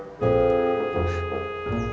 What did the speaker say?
ya rumahnya dimana ya